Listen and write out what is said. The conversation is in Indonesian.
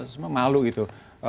sebenarnya malu gitu